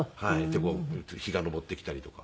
でこう日が昇ってきたりとか。